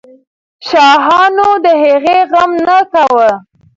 شاهانو د هغې غم نه کاوه.